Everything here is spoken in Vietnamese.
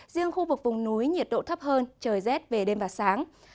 riêng khu vực vùng núi nhiệt độ thấp hơn trời rét về đêm và sáng